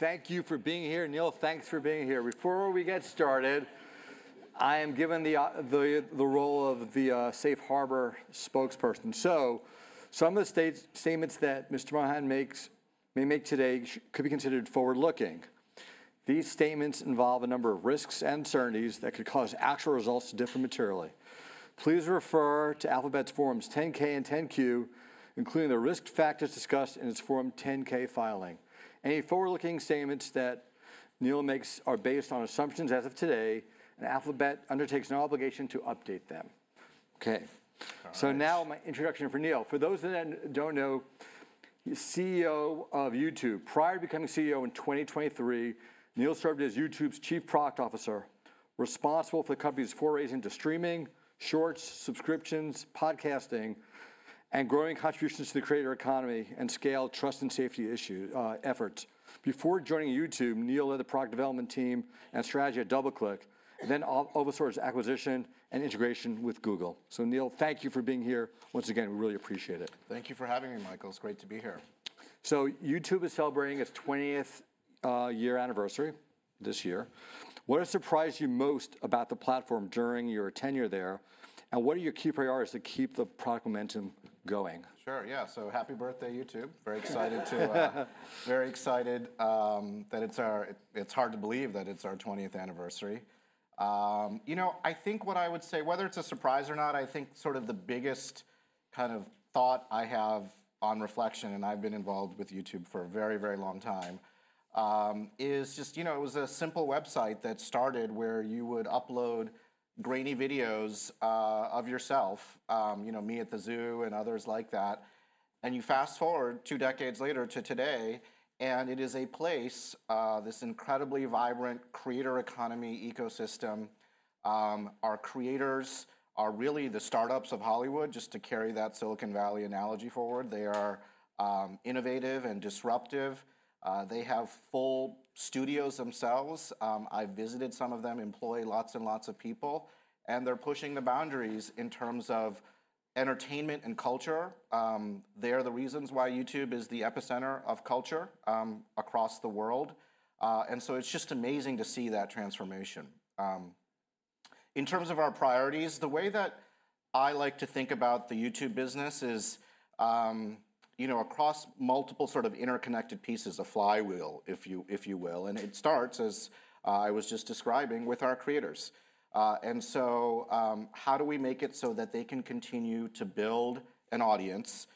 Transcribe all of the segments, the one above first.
Thank you for being here, Neal. Thanks for being here. Before we get started, I am given the role of the Safe Harbor spokesperson. Some of the statements that Mr. Mohan may make today could be considered forward-looking. These statements involve a number of risks and certainties that could cause actual results to differ materially. Please refer to Alphabet's Forms 10-K and 10-Q, including the risk factors discussed in its Form 10-K filing. Any forward-looking statements that Neal makes are based on assumptions as of today, and Alphabet undertakes no obligation to update them. Okay. Now my introduction for Neal. For those that don't know, CEO of YouTube. Prior to becoming CEO in 2023, Neal served as YouTube's Chief Product Officer, responsible for the company's foray into streaming, shorts, subscriptions, podcasting, and growing contributions to the creator economy and scale trust and safety efforts. Before joining YouTube, Neal led the product development team and strategy at DoubleClick, then oversaw its acquisition and integration with Google. Neal, thank you for being here. Once again, we really appreciate it. Thank you for having me, Michael. It's great to be here. YouTube is celebrating its 20th year anniversary this year. What has surprised you most about the platform during your tenure there, and what are your key priorities to keep the product momentum going? Sure, yeah. Happy birthday, YouTube. Very excited to—very excited that it's our—it's hard to believe that it's our 20th anniversary. You know, I think what I would say, whether it's a surprise or not, I think sort of the biggest kind of thought I have on reflection, and I've been involved with YouTube for a very, very long time, is just, you know, it was a simple website that started where you would upload grainy videos of yourself, you know, me at the zoo and others like that. You fast forward two decades later to today, and it is a place, this incredibly vibrant creator economy ecosystem. Our creators are really the startups of Hollywood, just to carry that Silicon Valley analogy forward. They are innovative and disruptive. They have full studios themselves. I've visited some of them, employ lots and lots of people, and they're pushing the boundaries in terms of entertainment and culture. They're the reasons why YouTube is the epicenter of culture across the world. It is just amazing to see that transformation. In terms of our priorities, the way that I like to think about the YouTube business is, you know, across multiple sort of interconnected pieces, a flywheel, if you will. It starts, as I was just describing, with our creators. How do we make it so that they can continue to build an audience,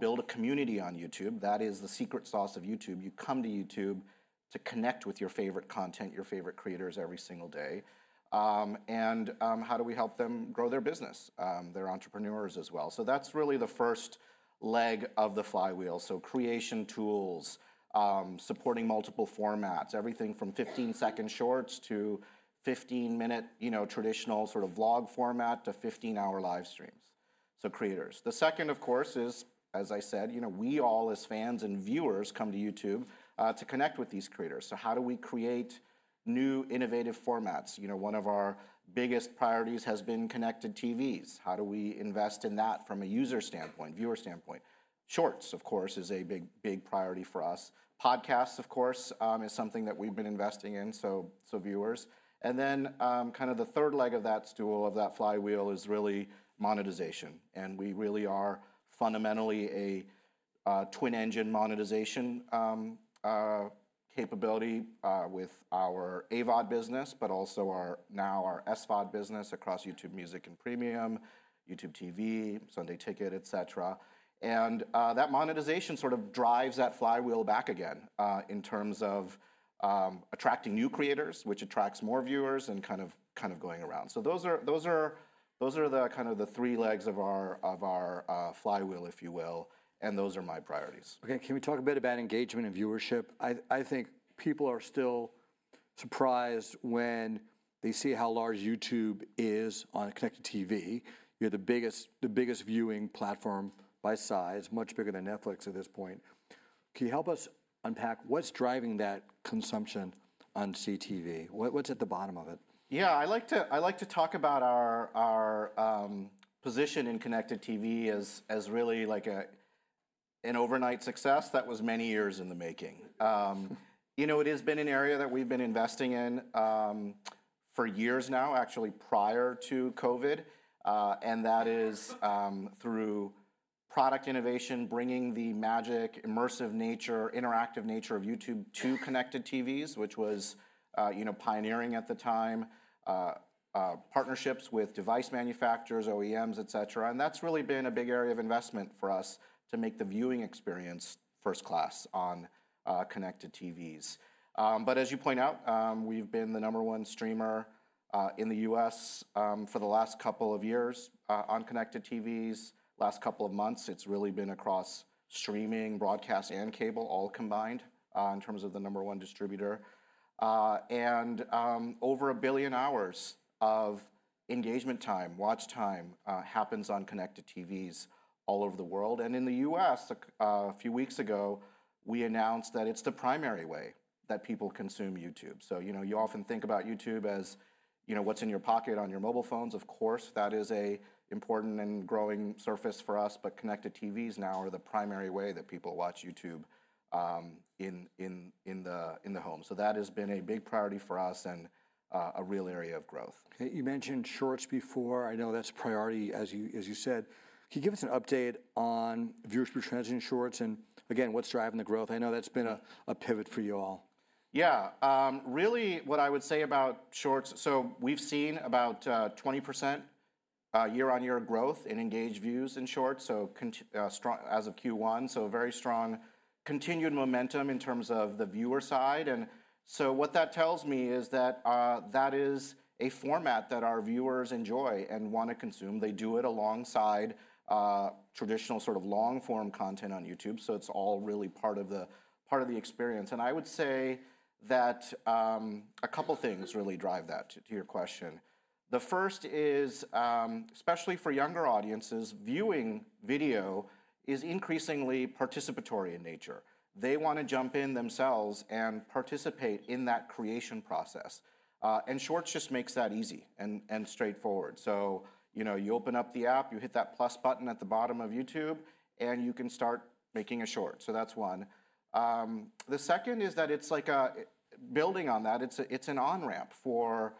build a community on YouTube? That is the secret sauce of YouTube. You come to YouTube to connect with your favorite content, your favorite creators every single day. How do we help them grow their business, their entrepreneurs as well? That's really the first leg of the flywheel. Creation tools, supporting multiple formats, everything from 15-second Shorts to 15-minute, you know, traditional sort of vlog format to 15-hour live streams. Creators. The second, of course, is, as I said, you know, we all as fans and viewers come to YouTube to connect with these creators. How do we create new innovative formats? You know, one of our biggest priorities has been connected TVs. How do we invest in that from a user standpoint, viewer standpoint? Shorts, of course, is a big, big priority for us. Podcasts, of course, is something that we've been investing in, so viewers. Then kind of the third leg of that stool, of that flywheel, is really monetization. We really are fundamentally a twin engine monetization capability with our AVOD business, but also now our SVOD business across YouTube Music and Premium, YouTube TV, Sunday Ticket, et cetera. That monetization sort of drives that flywheel back again in terms of attracting new creators, which attracts more viewers and kind of going around. Those are the three legs of our flywheel, if you will, and those are my priorities. Okay. Can we talk a bit about engagement and viewership? I think people are still surprised when they see how large YouTube is on connected TV. You're the biggest viewing platform by size, much bigger than Netflix at this point. Can you help us unpack what's driving that consumption on CTV? What's at the bottom of it? Yeah, I like to talk about our position in connected TV as really like an overnight success that was many years in the making. You know, it has been an area that we've been investing in for years now, actually prior to COVID, and that is through product innovation, bringing the magic, immersive nature, interactive nature of YouTube to connected TVs, which was, you know, pioneering at the time, partnerships with device manufacturers, OEMs, et cetera. That is really been a big area of investment for us to make the viewing experience first class on connected TVs. As you point out, we've been the number one streamer in the US for the last couple of years on connected TVs. Last couple of months, it's really been across streaming, broadcast, and cable all combined in terms of the number one distributor. Over a billion hours of engagement time, watch time happens on connected TVs all over the world. In the U.S., a few weeks ago, we announced that it's the primary way that people consume YouTube. You often think about YouTube as, you know, what's in your pocket on your mobile phones. Of course, that is an important and growing surface for us, but connected TVs now are the primary way that people watch YouTube in the home. That has been a big priority for us and a real area of growth. You mentioned Shorts before. I know that's a priority, as you said. Can you give us an update on viewership retention in Shorts and, again, what's driving the growth? I know that's been a pivot for you all. Yeah. Really, what I would say about Shorts, so we've seen about 20% year-on-year growth in engaged views in Shorts, so as of Q1, very strong continued momentum in terms of the viewer side. What that tells me is that that is a format that our viewers enjoy and want to consume. They do it alongside traditional sort of long-form content on YouTube. It's all really part of the experience. I would say that a couple of things really drive that, to your question. The first is, especially for younger audiences, viewing video is increasingly participatory in nature. They want to jump in themselves and participate in that creation process. Shorts just makes that easy and straightforward. You know, you open up the app, you hit that plus button at the bottom of YouTube, and you can start making a Short. That's one. The second is that it's like building on that. It's an on-ramp for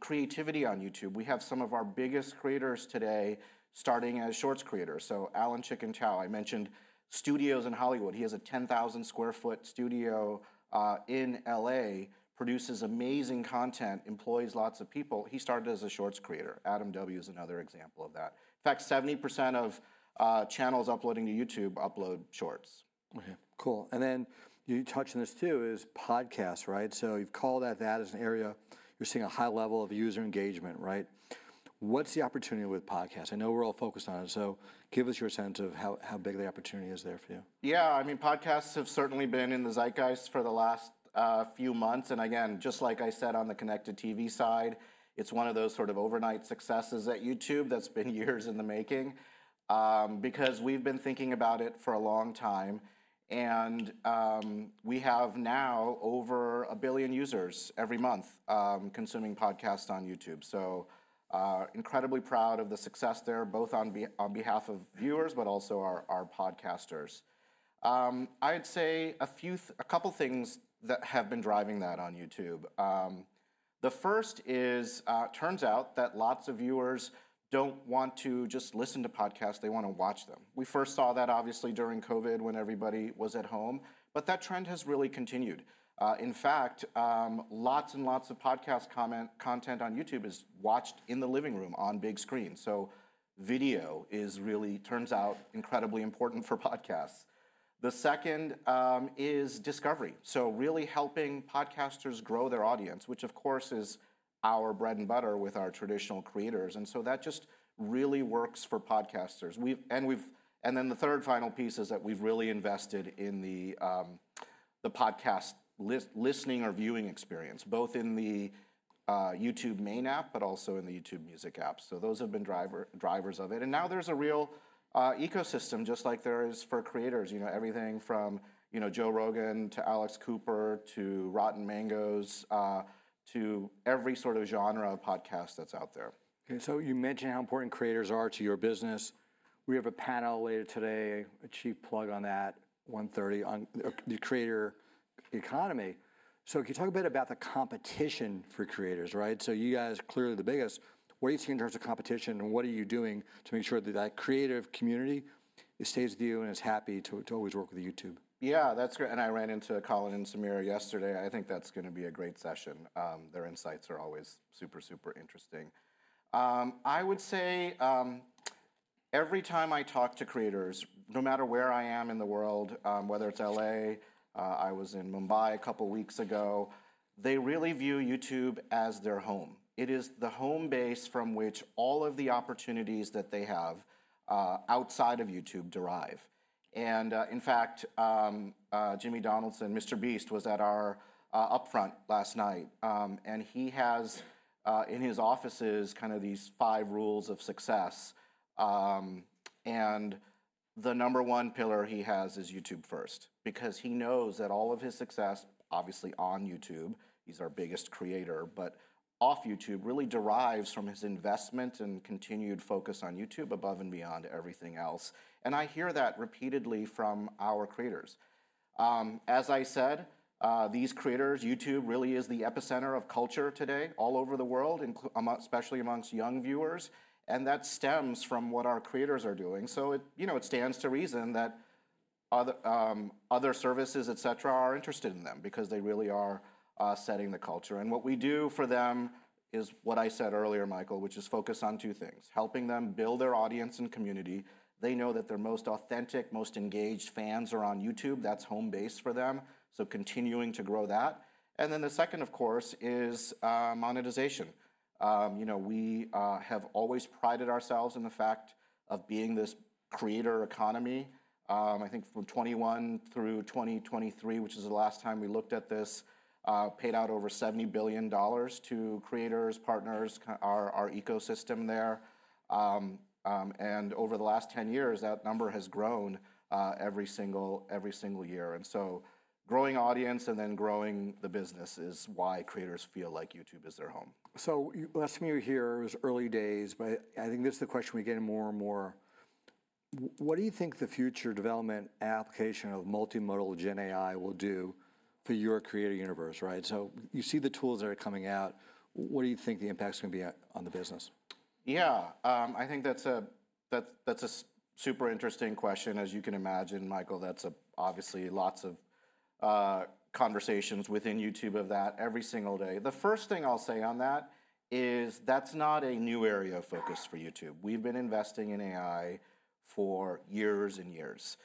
creativity on YouTube. We have some of our biggest creators today starting as Shorts creators. So Alan Chikin Chow, I mentioned studios in Hollywood. He has a 10,000 sq ft studio in LA, produces amazing content, employs lots of people. He started as a Shorts creator. Adam W is another example of that. In fact, 70% of channels uploading to YouTube upload Shorts. Okay. Cool. You touched on this too, is podcasts, right? You have called out that as an area. You are seeing a high level of user engagement, right? What is the opportunity with podcasts? I know we are all focused on it, so give us your sense of how big the opportunity is there for you. Yeah, I mean, podcasts have certainly been in the zeitgeist for the last few months. Again, just like I said on the connected TV side, it's one of those sort of overnight successes at YouTube that's been years in the making because we've been thinking about it for a long time. We have now over a billion users every month consuming podcasts on YouTube. Incredibly proud of the success there, both on behalf of viewers, but also our podcasters. I'd say a couple of things that have been driving that on YouTube. The first is, it turns out that lots of viewers don't want to just listen to podcasts. They want to watch them. We first saw that, obviously, during COVID when everybody was at home, but that trend has really continued. In fact, lots and lots of podcast content on YouTube is watched in the living room on big screens. Video turns out incredibly important for podcasts. The second is discovery. Really helping podcasters grow their audience, which of course is our bread and butter with our traditional creators. That just really works for podcasters. The third final piece is that we've really invested in the podcast listening or viewing experience, both in the YouTube main app, but also in the YouTube Music app. Those have been drivers of it. Now there's a real ecosystem, just like there is for creators. You know, everything from Joe Rogan to Alex Cooper to Rotten Mango's to every sort of genre of podcast that's out there. You mentioned how important creators are to your business. We have a panel later today, a chief plug on that, 1:30, on the creator economy. Can you talk a bit about the competition for creators, right? You guys are clearly the biggest. What are you seeing in terms of competition, and what are you doing to make sure that that creative community stays with you and is happy to always work with YouTube? Yeah, that's great. I ran into Colin and Samir yesterday. I think that's going to be a great session. Their insights are always super, super interesting. I would say every time I talk to creators, no matter where I am in the world, whether it's LA, I was in Mumbai a couple of weeks ago, they really view YouTube as their home. It is the home base from which all of the opportunities that they have outside of YouTube derive. In fact, Jimmy Donaldson, MrBeast, was at our upfront last night, and he has in his office's kind of these five rules of success. The number one pillar he has is YouTube first because he knows that all of his success, obviously on YouTube, he's our biggest creator, but off YouTube really derives from his investment and continued focus on YouTube above and beyond everything else. I hear that repeatedly from our creators. As I said, these creators, YouTube really is the epicenter of culture today all over the world, especially amongst young viewers. That stems from what our creators are doing. It stands to reason that other services, et cetera, are interested in them because they really are setting the culture. What we do for them is what I said earlier, Michael, which is focus on two things: helping them build their audience and community. They know that their most authentic, most engaged fans are on YouTube. That's home base for them. Continuing to grow that. The second, of course, is monetization. You know, we have always prided ourselves on the fact of being this creator economy. I think from 21 through 2023, which is the last time we looked at this, paid out over $70 billion to creators, partners, our ecosystem there. Over the last 10 years, that number has grown every single year. Growing audience and then growing the business is why creators feel like YouTube is their home. Last time you were here was early days, but I think this is the question we get more and more. What do you think the future development application of multimodal Gen AI will do for your creator universe, right? You see the tools that are coming out. What do you think the impact is going to be on the business? Yeah, I think that's a super interesting question. As you can imagine, Michael, that's obviously lots of conversations within YouTube of that every single day. The first thing I'll say on that is that's not a new area of focus for YouTube. We've been investing in AI for years and years.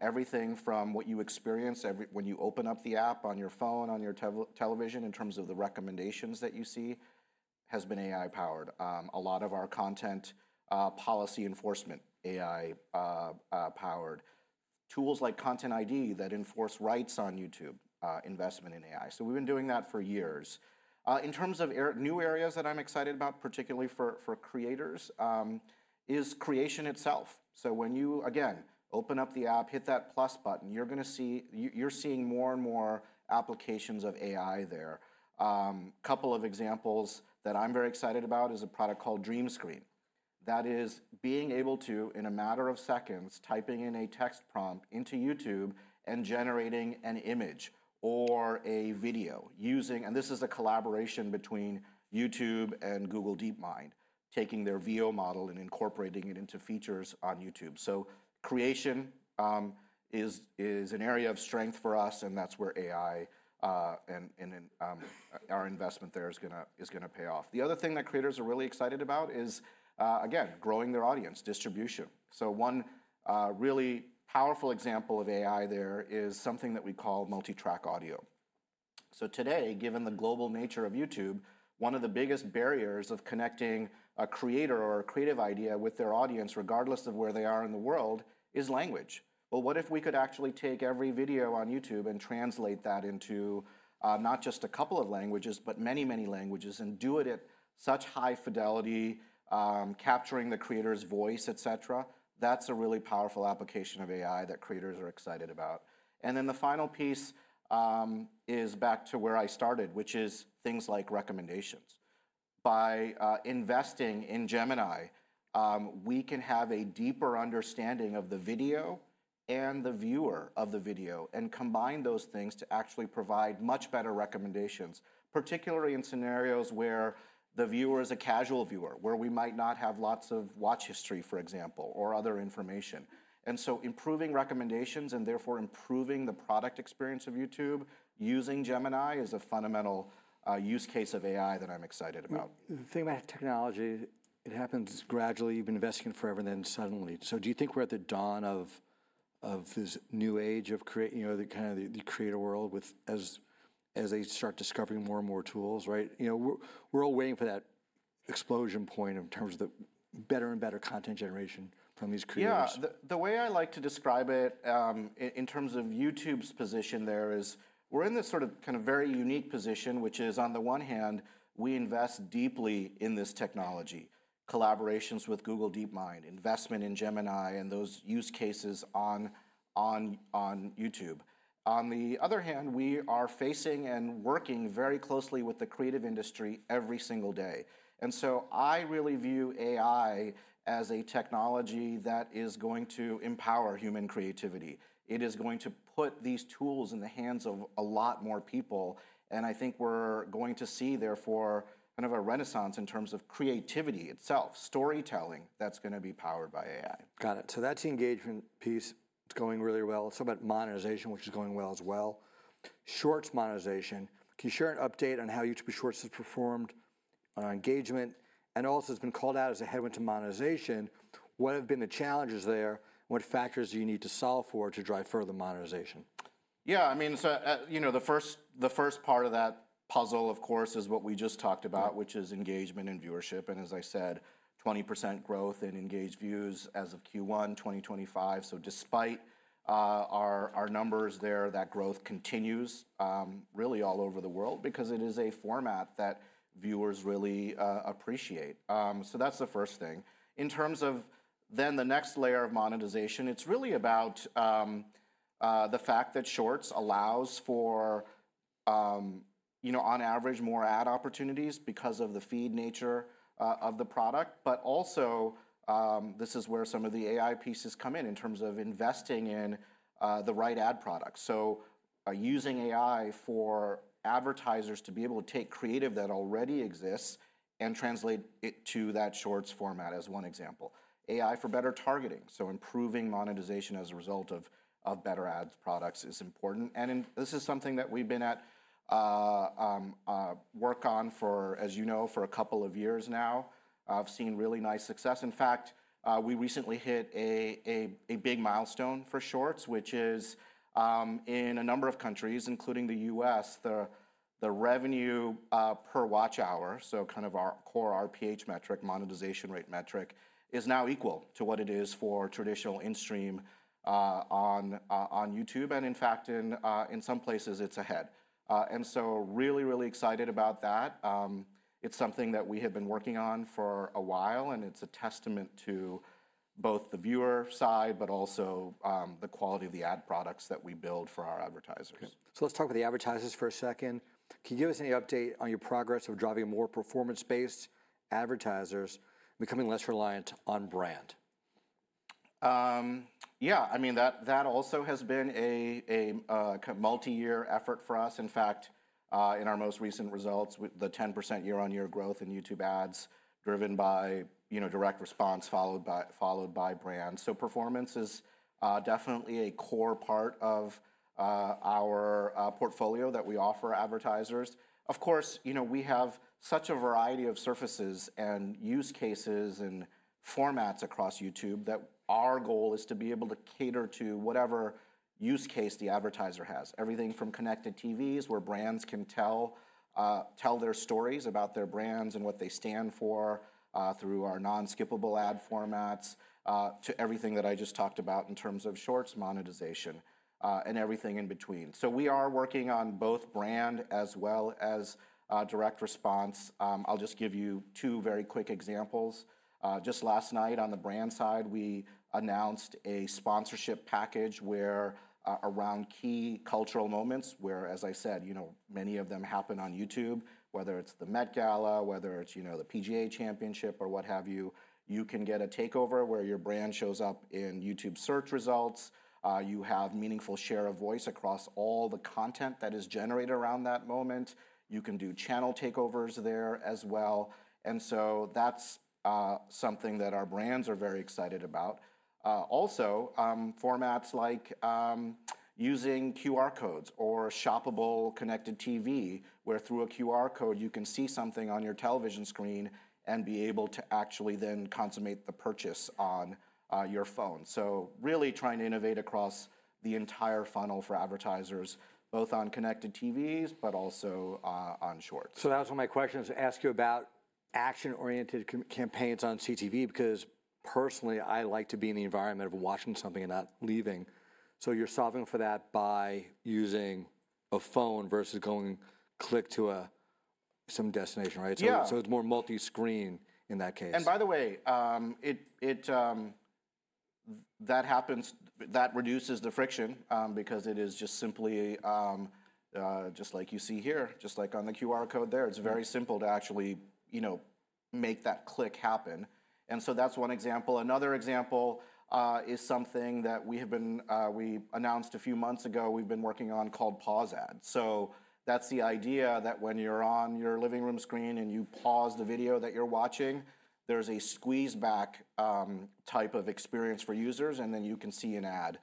Everything from what you experience when you open up the app on your phone, on your television, in terms of the recommendations that you see, has been AI powered. A lot of our content policy enforcement, AI powered. Tools like Content ID that enforce rights on YouTube, investment in AI. We've been doing that for years. In terms of new areas that I'm excited about, particularly for creators, is creation itself. When you, again, open up the app, hit that plus button, you're seeing more and more applications of AI there. A couple of examples that I'm very excited about is a product called Dream Screen. That is being able to, in a matter of seconds, typing in a text prompt into YouTube and generating an image or a video using, and this is a collaboration between YouTube and Google DeepMind, taking their Veo Model and incorporating it into features on YouTube. Creation is an area of strength for us, and that's where AI and our investment there is going to pay off. The other thing that creators are really excited about is, again, growing their audience distribution. One really powerful example of AI there is something that we call Multi-track Audio. Today, given the global nature of YouTube, one of the biggest barriers of connecting a creator or a creative idea with their audience, regardless of where they are in the world, is language. What if we could actually take every video on YouTube and translate that into not just a couple of languages, but many, many languages and do it at such high fidelity, capturing the creator's voice, et cetera? That's a really powerful application of AI that creators are excited about. The final piece is back to where I started, which is things like recommendations. By investing in Gemini, we can have a deeper understanding of the video and the viewer of the video and combine those things to actually provide much better recommendations, particularly in scenarios where the viewer is a casual viewer, where we might not have lots of watch history, for example, or other information. Improving recommendations and therefore improving the product experience of YouTube using Gemini is a fundamental use case of AI that I'm excited about. The thing about technology, it happens gradually. You've been investing forever and then suddenly. Do you think we're at the dawn of this new age of creator world as they start discovering more and more tools, right? You know, we're all waiting for that explosion point in terms of the better and better content generation from these creators. Yeah. The way I like to describe it in terms of YouTube's position there is we're in this sort of kind of very unique position, which is on the one hand, we invest deeply in this technology, collaborations with Google DeepMind, investment in Gemini and those use cases on YouTube. On the other hand, we are facing and working very closely with the creative industry every single day. I really view AI as a technology that is going to empower human creativity. It is going to put these tools in the hands of a lot more people. I think we're going to see therefore kind of a renaissance in terms of creativity itself, storytelling that's going to be powered by AI. Got it. That is the engagement piece. It is going really well. Somewhat monetization, which is going well as well. Shorts monetization. Can you share an update on how YouTube Shorts has performed on engagement? Also, it has been called out as a headwind to monetization. What have been the challenges there? What factors do you need to solve for to drive further monetization? Yeah, I mean, so you know the first part of that puzzle, of course, is what we just talked about, which is engagement and viewership. As I said, 20% growth in engaged views as of Q1, 2025. Despite our numbers there, that growth continues really all over the world because it is a format that viewers really appreciate. That is the first thing. In terms of then the next layer of monetization, it is really about the fact that Shorts allows for, you know, on average, more ad opportunities because of the feed nature of the product. Also, this is where some of the AI pieces come in in terms of investing in the right ad products. Using AI for advertisers to be able to take creative that already exists and translate it to that Shorts format as one example. AI for better targeting. Improving monetization as a result of better ad products is important. This is something that we've been at work on for, as you know, for a couple of years now. I've seen really nice success. In fact, we recently hit a big milestone for Shorts, which is in a number of countries, including the US, the revenue per watch hour, so kind of our core RPH metric, monetization rate metric, is now equal to what it is for traditional in-stream on YouTube. In fact, in some places, it's ahead. I am really, really excited about that. It's something that we have been working on for a while, and it's a testament to both the viewer side, but also the quality of the ad products that we build for our advertisers. Let's talk about the advertisers for a second. Can you give us any update on your progress of driving more performance-based advertisers and becoming less reliant on brand? Yeah, I mean, that also has been a multi-year effort for us. In fact, in our most recent results, the 10% year-on-year growth in YouTube ads driven by direct response followed by brand. Performance is definitely a core part of our portfolio that we offer advertisers. Of course, you know we have such a variety of surfaces and use cases and formats across YouTube that our goal is to be able to cater to whatever use case the advertiser has. Everything from connected TVs where brands can tell their stories about their brands and what they stand for through our non-skippable ad formats to everything that I just talked about in terms of Shorts monetization and everything in between. We are working on both brand as well as direct response. I'll just give you two very quick examples. Just last night on the brand side, we announced a sponsorship package where around key cultural moments, where, as I said, you know many of them happen on YouTube, whether it's the Met Gala, whether it's the PGA Championship or what have you, you can get a takeover where your brand shows up in YouTube search results. You have a meaningful share of voice across all the content that is generated around that moment. You can do channel takeovers there as well. That is something that our brands are very excited about. Also, formats like using QR codes or shoppable connected TV, where through a QR code, you can see something on your television screen and be able to actually then consummate the purchase on your phone. Really trying to innovate across the entire funnel for advertisers, both on connected TVs, but also on Shorts. That was one of my questions to ask you about action-oriented campaigns on CTV because personally, I like to be in the environment of watching something and not leaving. You are solving for that by using a phone versus going click to some destination, right? Yeah. It's more multi-screen in that case. By the way, that reduces the friction because it is just simply just like you see here, just like on the QR code there. It's very simple to actually make that click happen. That's one example. Another example is something that we announced a few months ago. We've been working on called Pause Ads. That's the idea that when you're on your living room screen and you pause the video that you're watching, there's a squeeze-back type of experience for users, and then you can see an ad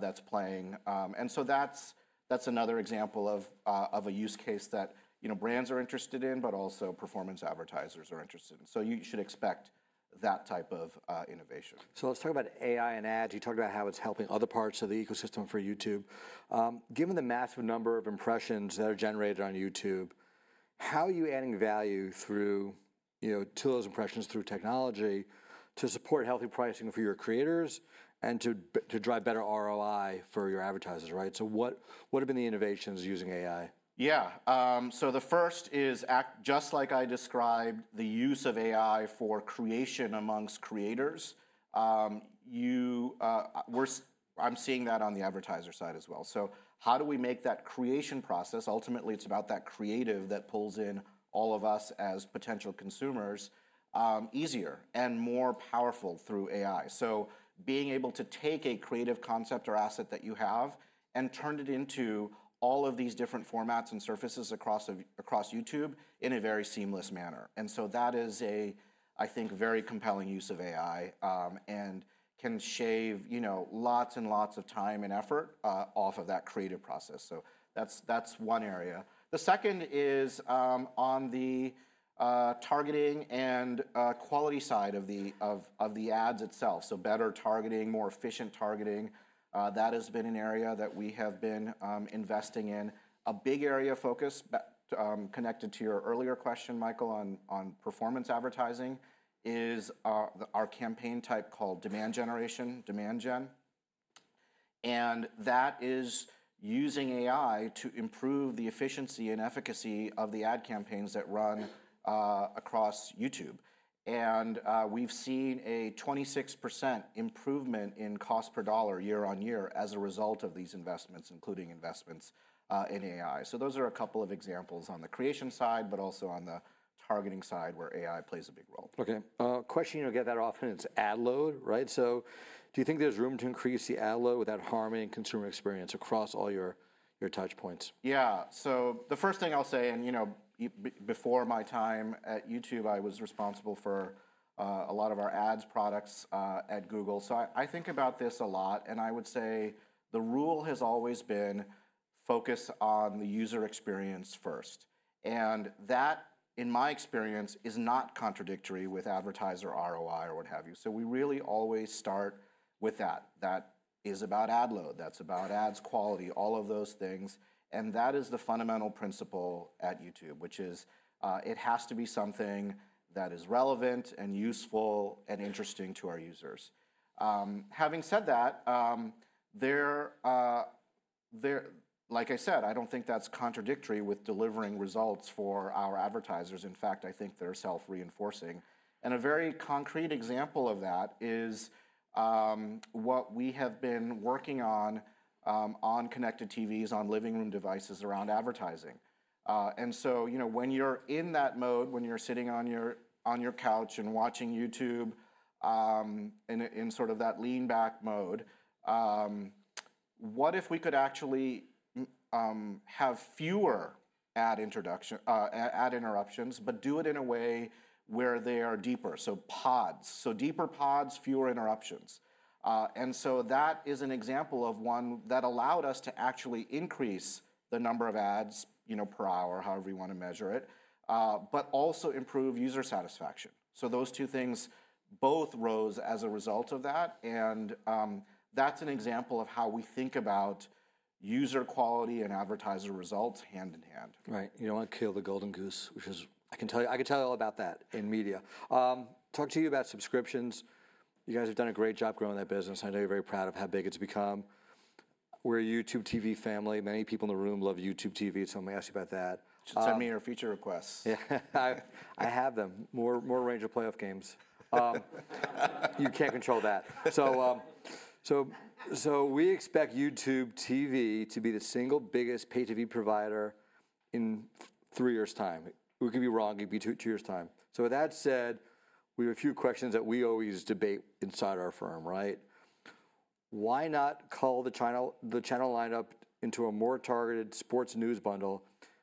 that's playing. That's another example of a use case that brands are interested in, but also performance advertisers are interested in. You should expect that type of innovation. Let's talk about AI and ads. You talked about how it's helping other parts of the ecosystem for YouTube. Given the massive number of impressions that are generated on YouTube, how are you adding value through those impressions through technology to support healthy pricing for your creators and to drive better ROI for your advertisers, right? What have been the innovations using AI? Yeah. The first is just like I described, the use of AI for creation amongst creators. I'm seeing that on the advertiser side as well. How do we make that creation process? Ultimately, it's about that creative that pulls in all of us as potential consumers easier and more powerful through AI. Being able to take a creative concept or asset that you have and turn it into all of these different formats and surfaces across YouTube in a very seamless manner. That is, I think, a very compelling use of AI and can shave lots and lots of time and effort off of that creative process. That's one area. The second is on the targeting and quality side of the ads itself. Better targeting, more efficient targeting. That has been an area that we have been investing in. A big area of focus connected to your earlier question, Michael, on performance advertising is our campaign type called Demand Generation, Demand Gen. That is using AI to improve the efficiency and efficacy of the ad campaigns that run across YouTube. We have seen a 26% improvement in cost per dollar year on year as a result of these investments, including investments in AI. Those are a couple of examples on the creation side, but also on the targeting side where AI plays a big role. Okay. Question you don't get that often. It's ad load, right? Do you think there's room to increase the ad load without harming consumer experience across all your touch points? Yeah. The first thing I'll say, and you know before my time at YouTube, I was responsible for a lot of our ads products at Google. I think about this a lot. I would say the rule has always been focus on the user experience first. That, in my experience, is not contradictory with advertiser ROI or what have you. We really always start with that. That is about ad load. That's about ads quality, all of those things. That is the fundamental principle at YouTube, which is it has to be something that is relevant and useful and interesting to our users. Having said that, like I said, I don't think that's contradictory with delivering results for our advertisers. In fact, I think they're self-reinforcing. A very concrete example of that is what we have been working on on connected TVs, on living room devices around advertising. When you're in that mode, when you're sitting on your couch and watching YouTube in sort of that lean-back mode, what if we could actually have fewer ad interruptions, but do it in a way where they are deeper? Pods, deeper pods, fewer interruptions. That is an example of one that allowed us to actually increase the number of ads per hour, however you want to measure it, but also improve user satisfaction. Those two things both rose as a result of that. That is an example of how we think about user quality and advertiser results hand in hand. Right. You don't want to kill the golden goose, which is I can tell you all about that in media. Talk to you about subscriptions. You guys have done a great job growing that business. I know you're very proud of how big it's become. We're a YouTube TV family. Many people in the room love YouTube TV. I am going to ask you about that. Send me your feature requests. Yeah. I have them. More range of playoff games. You can't control that. We expect YouTube TV to be the single biggest pay-to-view provider in three years' time. We could be wrong. It could be two years' time. With that said, we have a few questions that we always debate inside our firm, right? Why not call the channel lineup into a more targeted sports news bundle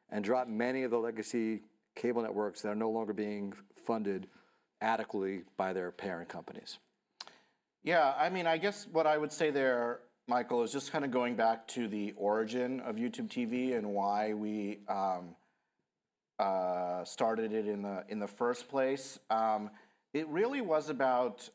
and drop many of the legacy cable networks that are no longer being funded adequately by their parent companies? Yeah. I mean, I guess what I would say there, Michael, is just kind of going back to the origin of YouTube TV and why we started it in the first place. It really was about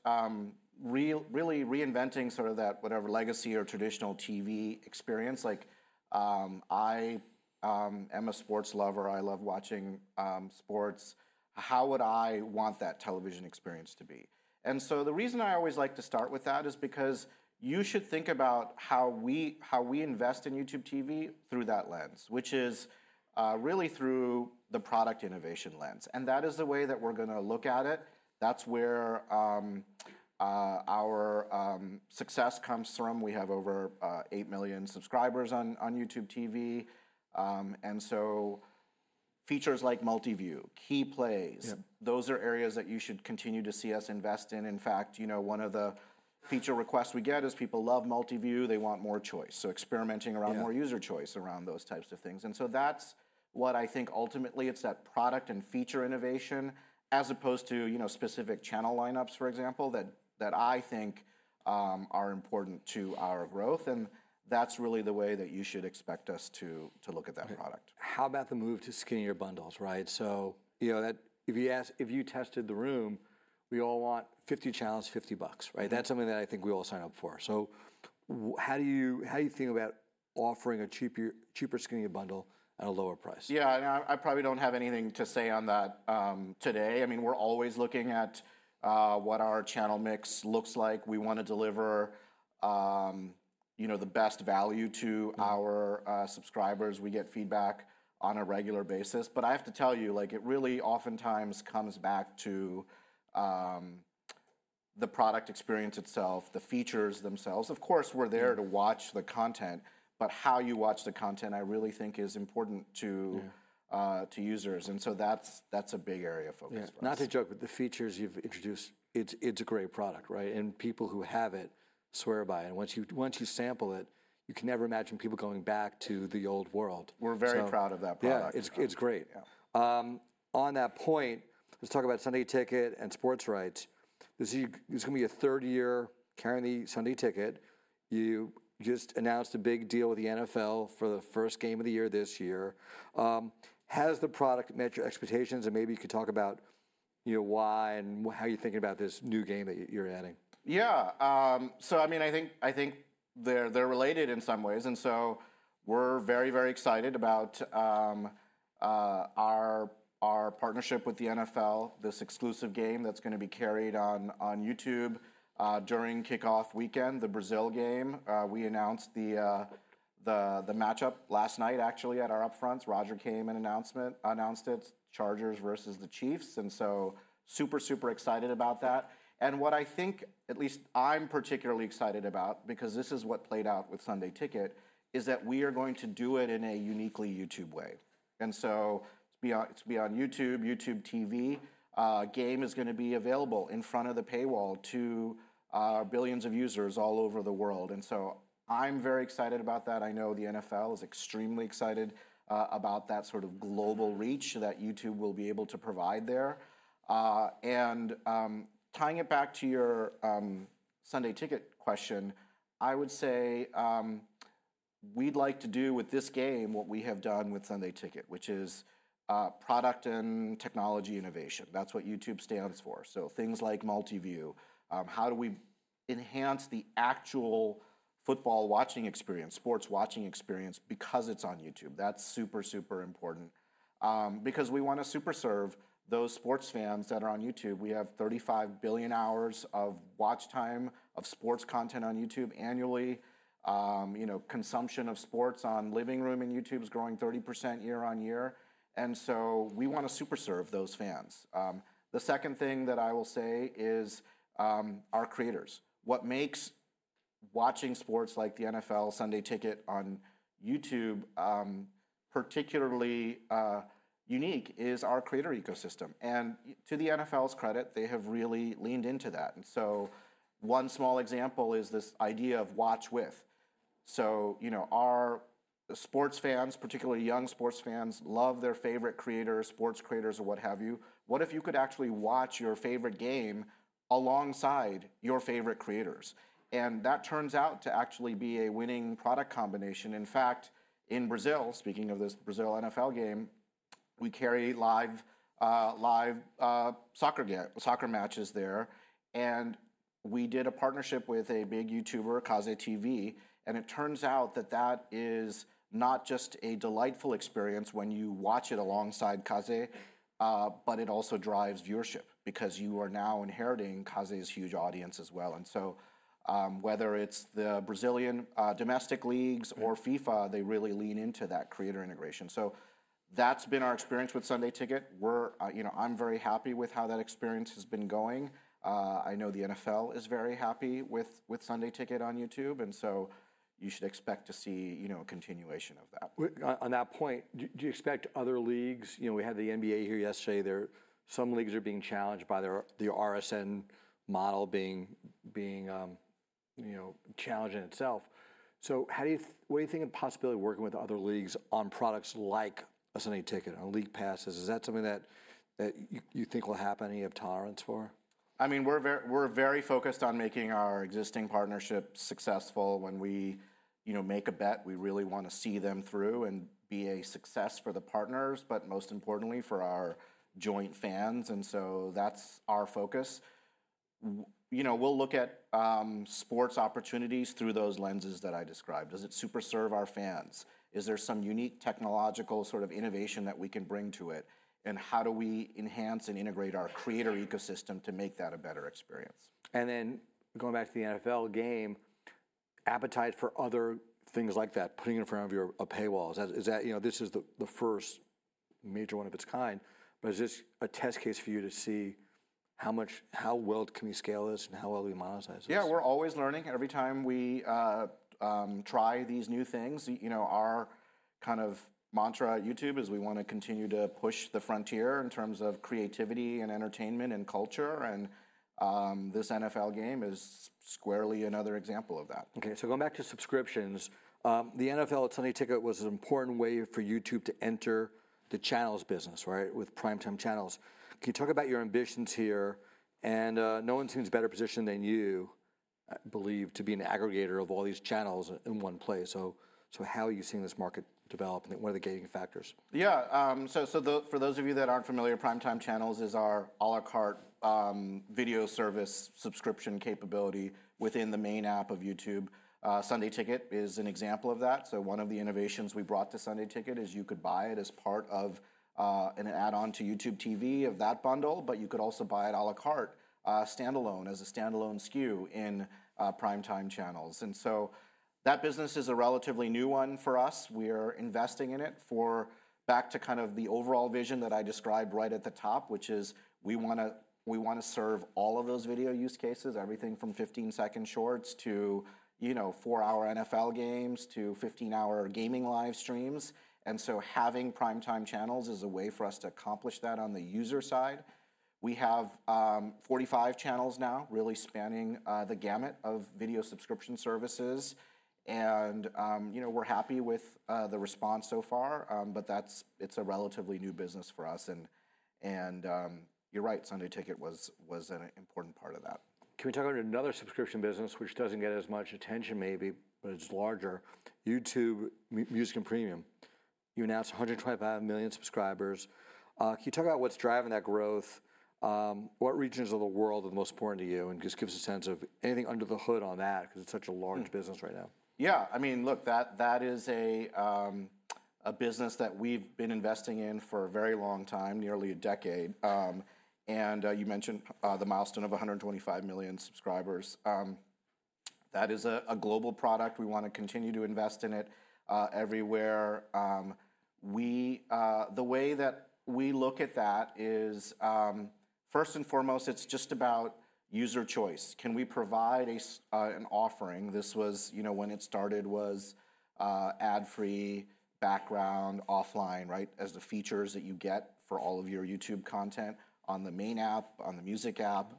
really reinventing sort of that whatever legacy or traditional TV experience. Like I am a sports lover. I love watching sports. How would I want that television experience to be? The reason I always like to start with that is because you should think about how we invest in YouTube TV through that lens, which is really through the product innovation lens. That is the way that we're going to look at it. That's where our success comes from. We have over 8 million subscribers on YouTube TV. Features like multi-view, key plays, those are areas that you should continue to see us invest in. In fact, you know one of the feature requests we get is people love Multi-view. They want more choice. Experimenting around more user choice around those types of things. That is what I think ultimately, it is that product and feature innovation as opposed to specific channel lineups, for example, that I think are important to our growth. That is really the way that you should expect us to look at that product. How about the move to skinnier bundles, right? If you tested the room, we all want 50 channels, $50, right? That's something that I think we all sign up for. How do you think about offering a cheaper skinnier bundle at a lower price? Yeah. I probably don't have anything to say on that today. I mean, we're always looking at what our channel mix looks like. We want to deliver the best value to our subscribers. We get feedback on a regular basis. I have to tell you, it really oftentimes comes back to the product experience itself, the features themselves. Of course, we're there to watch the content, but how you watch the content, I really think is important to users. That is a big area of focus. Not to joke, but the features you've introduced, it's a great product, right? And people who have it swear by it. Once you sample it, you can never imagine people going back to the old world. We're very proud of that product. Yeah. It's great. On that point, let's talk about Sunday Ticket and sports rights. This is going to be your third year carrying the Sunday Ticket. You just announced a big deal with the NFL for the first game of the year this year. Has the product met your expectations? Maybe you could talk about why and how you're thinking about this new game that you're adding. Yeah. I mean, I think they're related in some ways. We're very, very excited about our partnership with the NFL, this exclusive game that's going to be carried on YouTube during kickoff weekend, the Brazil game. We announced the matchup last night, actually, at our upfront. Roger came and announced it, Chargers versus the Chiefs. I'm super, super excited about that. What I think, at least I'm particularly excited about, because this is what played out with Sunday Ticket, is that we are going to do it in a uniquely YouTube way. It's beyond YouTube. YouTube TV game is going to be available in front of the paywall to billions of users all over the world. I'm very excited about that. I know the NFL is extremely excited about that sort of global reach that YouTube will be able to provide there. Tying it back to your Sunday Ticket question, I would say we'd like to do with this game what we have done with Sunday Ticket, which is product and technology innovation. That's what YouTube stands for. Things like multi-view, how do we enhance the actual football watching experience, sports watching experience because it's on YouTube? That's super, super important because we want to super serve those sports fans that are on YouTube. We have 35 billion hours of watch time of sports content on YouTube annually. Consumption of sports on living room in YouTube is growing 30% year on year. We want to super serve those fans. The second thing that I will say is our creators. What makes watching sports like the NFL Sunday Ticket on YouTube particularly unique is our creator ecosystem. To the NFL's credit, they have really leaned into that. One small example is this idea of watch with. Our sports fans, particularly young sports fans, love their favorite creators, sports creators or what have you. What if you could actually watch your favorite game alongside your favorite creators? That turns out to actually be a winning product combination. In fact, in Brazil, speaking of this Brazil NFL game, we carry live soccer matches there. We did a partnership with a big YouTuber, CazeTV. It turns out that that is not just a delightful experience when you watch it alongside Caze, but it also drives viewership because you are now inheriting Caze's huge audience as well. Whether it is the Brazilian domestic leagues or FIFA, they really lean into that creator integration. That has been our experience with Sunday Ticket. I am very happy with how that experience has been going. I know the NFL is very happy with Sunday Ticket on YouTube. You should expect to see a continuation of that. On that point, do you expect other leagues? We had the NBA here yesterday. Some leagues are being challenged by the RSN model being challenged in itself. What do you think of the possibility of working with other leagues on products like a Sunday Ticket, on league passes? Is that something that you think will happen and you have tolerance for? I mean, we're very focused on making our existing partnership successful. When we make a bet, we really want to see them through and be a success for the partners, but most importantly, for our joint fans. That is our focus. We will look at sports opportunities through those lenses that I described. Does it super serve our fans? Is there some unique technological sort of innovation that we can bring to it? How do we enhance and integrate our creator ecosystem to make that a better experience? Going back to the NFL game, appetite for other things like that, putting it in front of your paywalls, this is the first major one of its kind. Is this a test case for you to see how well can we scale this and how well do we monetize this? Yeah. We're always learning. Every time we try these new things, our kind of mantra at YouTube is we want to continue to push the frontier in terms of creativity and entertainment and culture. This NFL game is squarely another example of that. Okay. Going back to subscriptions, the NFL Sunday Ticket was an important way for YouTube to enter the channels business, right, with Primetime Channels. Can you talk about your ambitions here? No one seems better positioned than you, I believe, to be an aggregator of all these channels in one place. How are you seeing this market develop? What are the gating factors? Yeah. For those of you that aren't familiar, Primetime Channels is our à la carte video service subscription capability within the main app of YouTube. Sunday Ticket is an example of that. One of the innovations we brought to Sunday Ticket is you could buy it as part of an add-on to YouTube TV of that bundle, but you could also buy it à la carte, standalone, as a standalone SKU in Primetime Channels. That business is a relatively new one for us. We are investing in it back to kind of the overall vision that I described right at the top, which is we want to serve all of those video use cases, everything from 15-second Shorts to four-hour NFL games to 15-hour gaming live streams. Having Primetime Channels is a way for us to accomplish that on the user side. We have 45 channels now, really spanning the gamut of video subscription services. We are happy with the response so far, but it is a relatively new business for us. You are right, Sunday Ticket was an important part of that. Can we talk about another subscription business, which does not get as much attention maybe, but it is larger, YouTube Music and Premium? You announced 125 million subscribers. Can you talk about what is driving that growth? What regions of the world are the most important to you? Just give us a sense of anything under the hood on that, because it is such a large business right now. Yeah. I mean, look, that is a business that we've been investing in for a very long time, nearly a decade. You mentioned the milestone of 125 million subscribers. That is a global product. We want to continue to invest in it everywhere. The way that we look at that is, first and foremost, it's just about user choice. Can we provide an offering? This was when it started was ad-free, background, offline, right, as the features that you get for all of your YouTube content on the main app, on the music app,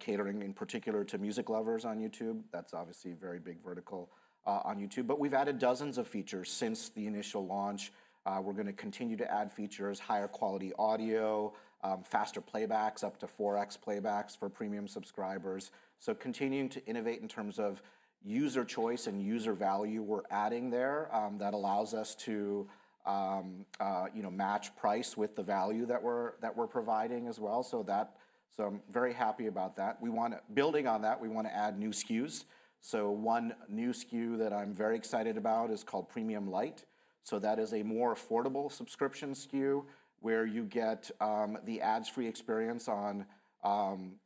catering in particular to music lovers on YouTube. That's obviously a very big vertical on YouTube. We've added dozens of features since the initial launch. We're going to continue to add features, higher quality audio, faster playbacks, up to 4x playbacks for premium subscribers. Continuing to innovate in terms of user choice and user value, we're adding there that allows us to match price with the value that we're providing as well. I'm very happy about that. Building on that, we want to add new SKUs. One new SKU that I'm very excited about is called Premium Lite. That is a more affordable subscription SKU where you get the ads-free experience on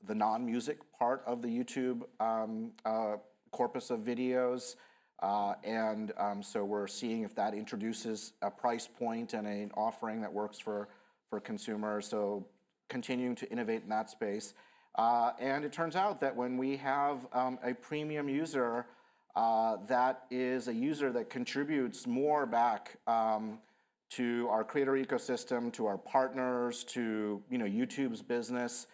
the non-music part of the YouTube corpus of videos. We're seeing if that introduces a price point and an offering that works for consumers. Continuing to innovate in that space. It turns out that when we have a premium user, that is a user that contributes more back to our creator ecosystem, to our partners, to YouTube's business.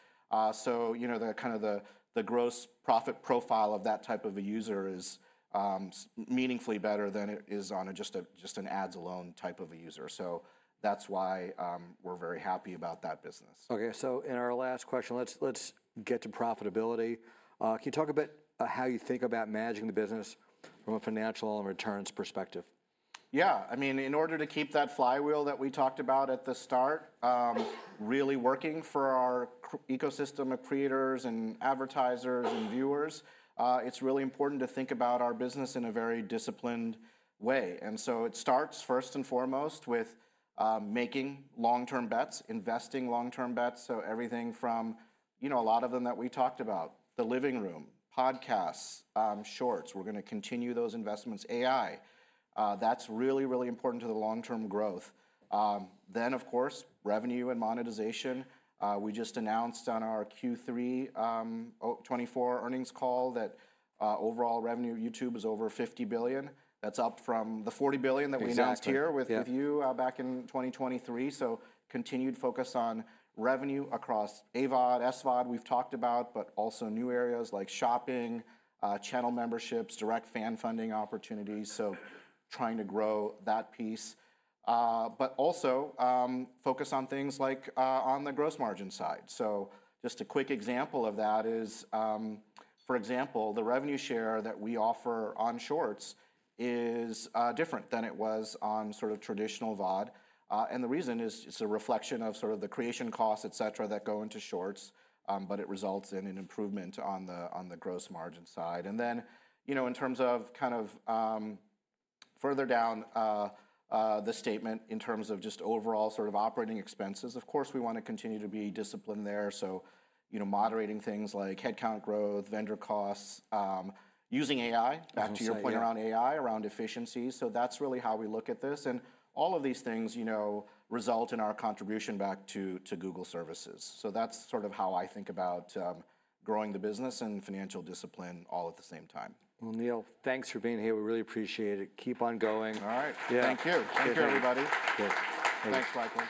The gross profit profile of that type of a user is meaningfully better than it is on just an ads-alone type of a user. That is why we are very happy about that business. Okay. In our last question, let's get to profitability. Can you talk about how you think about managing the business from a financial and returns perspective? Yeah. I mean, in order to keep that flywheel that we talked about at the start really working for our ecosystem of creators and advertisers and viewers, it's really important to think about our business in a very disciplined way. It starts first and foremost with making long-term bets, investing long-term bets. Everything from a lot of them that we talked about, the living room, podcasts, Shorts. We're going to continue those investments. AI. That's really, really important to the long-term growth. Of course, revenue and monetization. We just announced on our Q3 '24 earnings call that overall revenue of YouTube is over $50 billion. That's up from the $40 billion that we announced here with you back in 2023. Continued focus on revenue across AVOD, SVOD we've talked about, but also new areas like shopping, channel memberships, direct fan funding opportunities. Trying to grow that piece but also focus on things like on the gross margin side. Just a quick example of that is, for example, the revenue share that we offer on Shorts is different than it was on sort of traditional VOD. The reason is it's a reflection of sort of the creation costs, et cetera, that go into Shorts, but it results in an improvement on the gross margin side. In terms of kind of further down the statement in terms of just overall sort of operating expenses, of course, we want to continue to be disciplined there. Moderating things like headcount growth, vendor costs, using AI, back to your point around AI, around efficiency. That's really how we look at this. All of these things result in our contribution back to Google services. That's sort of how I think about growing the business and financial discipline all at the same time. Neal, thanks for being here. We really appreciate it. Keep on going. All right. Thank you. Thank you, everybody. Thanks.